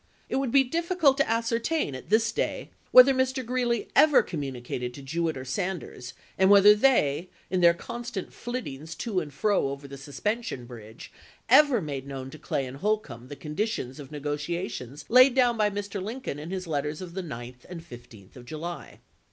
It would be difficult to ascertain, at this day, whether Mr. Greeley ever communicated to Jewett or Sanders, and whether they, in their constant Sittings to and fro over the Suspension Bridge, ever made known to Clay and Holcombe, the conditions of negotia tion laid down by Mr. Lincoln in his letters of the 1864. 9th and 15th of July.